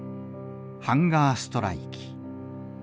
ハンガーストライキ。